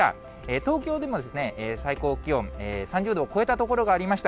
東京でも最高気温３０度を超えた所がありました。